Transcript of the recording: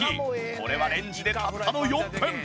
これはレンジでたったの４分。